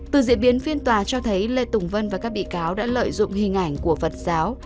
từ diễn biến phiên tòa cho thấy lê tùng vân và các bị cáo đã lợi dụng hình ảnh của phật giáo